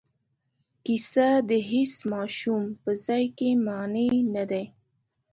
کیسه د هیڅ ماشوم په ځای کې مانع نه دی.